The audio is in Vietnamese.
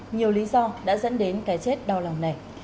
nhiều lý do đã dẫn đến cái chết đau lòng này